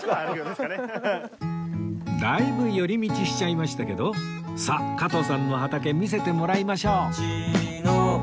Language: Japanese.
だいぶ寄り道しちゃいましたけどさあ加藤さんの畑見せてもらいましょう